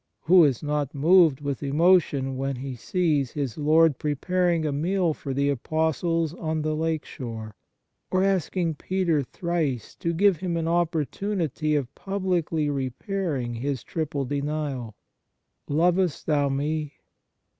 Who is not moved with emo tion when he sees his Lord preparing a meal for the Apostles on the lake shore, or asking Peter thrice to give him an opportunity of 45 Fraternal Charity publicly repairing his triple denial, " Lovest thou Me?"